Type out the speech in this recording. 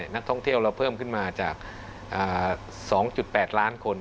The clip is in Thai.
นักท่องเที่ยวเราเพิ่มขึ้นมาจาก๒๘ล้านคน